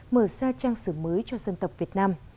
mở ra trang sử mới cho dân tộc việt nam